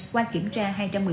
cũng như là một giá cả pháp lý